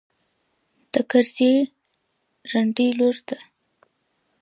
د کرزي رنډۍ لور ده.